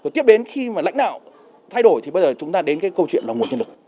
tiếp đến khi mà lãnh đạo thay đổi thì bây giờ chúng ta đến cái câu chuyện là nguồn nhân lực